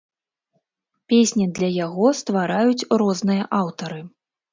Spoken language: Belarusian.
Песні для яго ствараюць розныя аўтары.